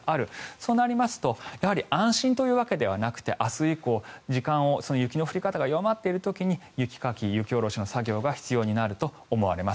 そうなりますと、やはり安心というわけではなくて明日以降、時間を雪の降り方が弱まっている時に雪かき、雪下ろしの作業が必要になると思われます。